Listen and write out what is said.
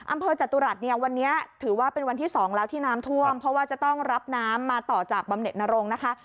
จตุรัสเนี่ยวันนี้ถือว่าเป็นวันที่๒แล้วที่น้ำท่วมเพราะว่าจะต้องรับน้ำมาต่อจากบำเน็ตนรงค์นะคะ